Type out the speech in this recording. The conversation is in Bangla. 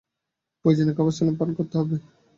প্রয়োজনে খাবার স্যালাইন পান করতে হবে।